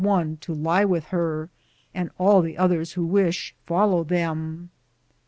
one to lie with her, and all the others who wish, follow them.